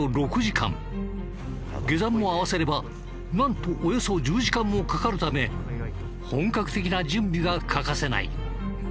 下山も合わせればなんとおよそ１０時間もかかるため本格的な準備が欠かせない。